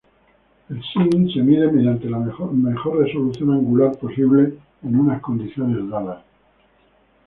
El seeing se mide mediante la mejor resolución angular posible en unas condiciones dadas.